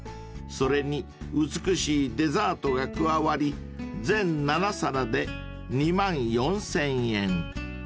［それに美しいデザートが加わり全７皿で２万４，０００円］